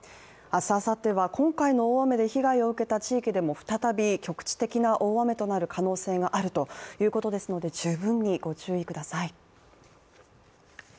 明日あさっては今回の大雨で被害を受けた地域でも再び局地的な大雨となる可能性があるということですので十分にご注意ください。